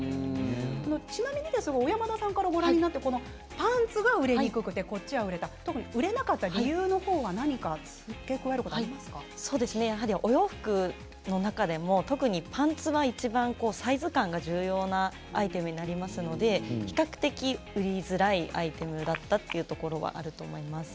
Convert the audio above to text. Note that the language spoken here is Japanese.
ちなみに小山田さんからご覧になってパンツが売れにくくてこちら売れた、売れなかった理由やはりお洋服の中でも特にパンツはいちばんサイズ感が重要なアイテムになりますので比較的売りづらいアイテムだったというところはあると思います。